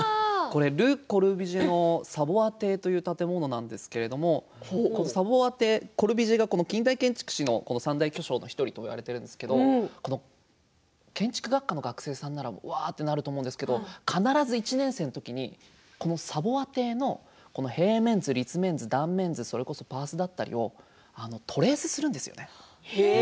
ル・コルビュジエのサヴォア邸という建物なんですけれどもコルビュジエ近代建築の三大巨匠の１人なんですけれども建築学科の学生さんならうわあとなると思うんですけれども必ず１年生の時にサヴォア邸の平面図、立面図それこそパーツだったりとかをトレースするんですよ。